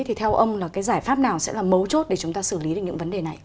thì theo ông là cái giải pháp nào sẽ là mấu chốt để chúng ta xử lý được những vấn đề này